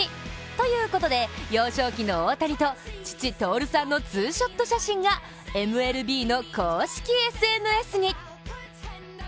ということで、幼少期の大谷と父・徹さんのツーショット写真がＭＬＢの公式ＳＮＳに。